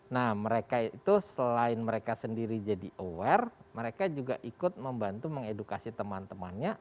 nah mereka itu selain mereka sendiri jadi aware mereka juga ikut membantu mengedukasi teman temannya